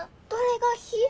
どれが「ひ」？